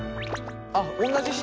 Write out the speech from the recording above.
あっ同じ人？